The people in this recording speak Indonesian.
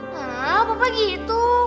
hah papa gitu